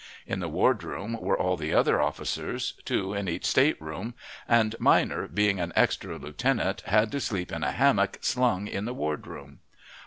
In the ward room were all the other officers, two in each state room; and Minor, being an extra lieutenant, had to sleep in a hammock slung in the ward room.